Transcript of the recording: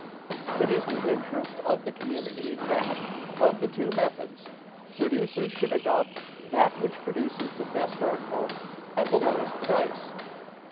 It is the interest of the community that, of the two methods, producers should adopt that which produces the best article at the lowest price.